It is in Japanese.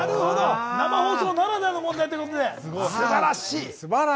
生放送ならではの問題ということですばらしい。